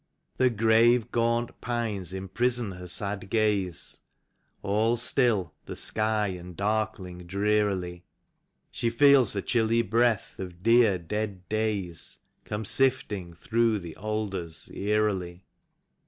The grave, gaunt pines imprison her sad gaze, All still the sky and darkling drearily; She feels the chilly breath of dear, dead days Come sifting through the alders eerily.